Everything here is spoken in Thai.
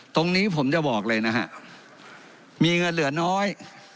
ตรงนี้ผมจะบอกเลยนะฮะมีเงินเหลือน้อย